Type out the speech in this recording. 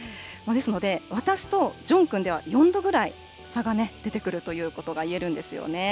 ですので、私とジョンくんでは４度ぐらい差が出てくるということが言えるんですよね。